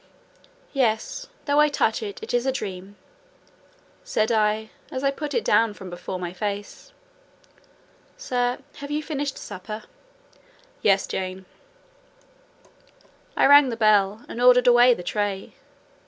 "Yes; though I touch it, it is a dream," said I, as I put it down from before my face. "Sir, have you finished supper?" "Yes, Jane." I rang the bell and ordered away the tray.